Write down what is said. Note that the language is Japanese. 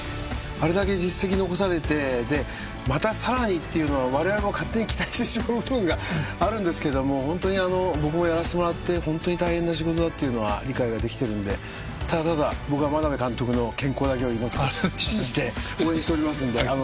あれだけ実績残されてまたさらにっていうのはわれわれも勝手に期待してしまう部分があるんですけども僕もやらしてもらってホントに大変な仕事だっていうのは理解ができてるんでただただ僕は眞鍋監督の健康だけを祈って信じて応援しておりますんでぜひ頑張ってください。